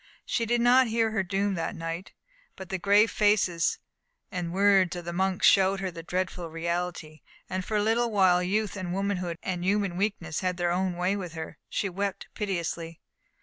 She did not hear her doom that night (May 30, 1431), but the grave faces and grave words of the monks showed her the dreadful reality, and for a little while youth and womanhood and human weakness had their own way with her. She wept piteously.